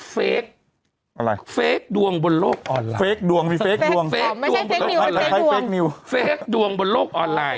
เฟค